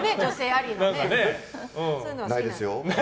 ないですよ。